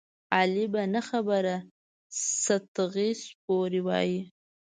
علي په نه خبره ستغې سپورې وايي.